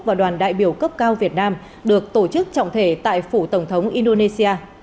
và đoàn đại biểu cấp cao việt nam được tổ chức trọng thể tại phủ tổng thống indonesia